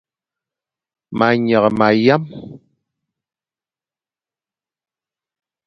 Ma nyeghe ma yam.